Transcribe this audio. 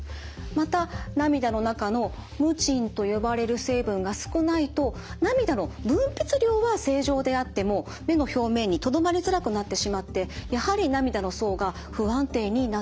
また涙の中のムチンと呼ばれる成分が少ないと涙の分泌量は正常であっても目の表面にとどまりづらくなってしまってやはり涙の層が不安定になってしまうんです。